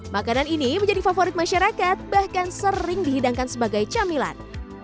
makanan ini menjadi favorit masyarakat bahkan sering dihidangkan sebagai camilan